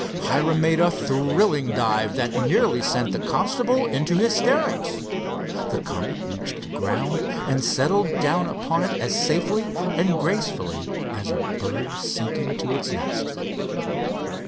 Hiram made a thrilling dive that nearly sent the constable into hysterics. The Comet reached the ground and settled down upon it as safely and gracefully as a bird sinking to its nest.